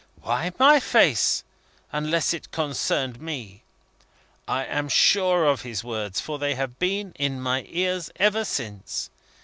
Why my face, unless it concerned me? I am sure of his words, for they have been in my ears ever since.